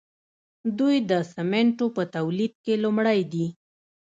دوی د سیمنټو په تولید کې لومړی دي.